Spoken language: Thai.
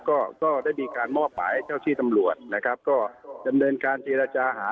ก็ก็ได้มีการมอบหมายให้เจ้าที่ตำรวจนะครับก็ดำเนินการเจรจาหา